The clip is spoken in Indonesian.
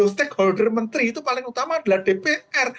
stakeholder menteri itu paling utama adalah dpr